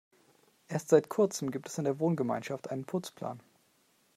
Erst seit kurzem gibt es in der Wohngemeinschaft einen Putzplan.